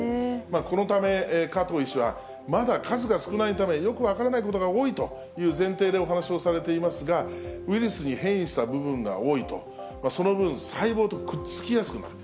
このため、加藤医師は、まだ数が少ないため、よく分からないことが多いという前提でお話しをされていますが、ウイルスに変異した部分が多いと、その分細胞とくっつきやすくなる。